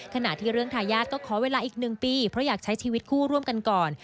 ขณะที่เรื่องทายาทก็ขอเวลาอีก๑ปีเพราะอยากใช้ชีวิตคู่ร่วมกันก่อน